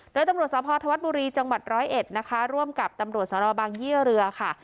โดยตำรวจสภธวัฒน์บุรีจังหวัดร้อยเอ็ดนะคะร่วมกับตำรวจสนบางยี่เรือค่ะ